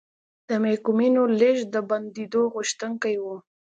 د محکومینو لېږد د بندېدو غوښتونکي وو.